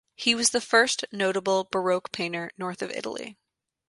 He was the first notable baroque painter north of Italy.